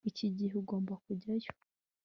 Iki gihe ugomba kujyayo